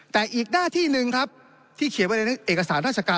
แต่อีกหน้าที่หนึ่งครับที่เขียนไว้ในเอกสารราชการ